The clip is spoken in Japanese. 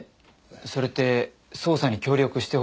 それって捜査に協力してほしいという事ですか？